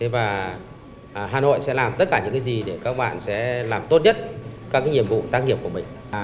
và hà nội sẽ làm tất cả những cái gì để các bạn sẽ làm tốt nhất các nhiệm vụ tác nghiệp của mình